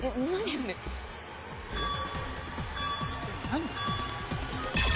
何？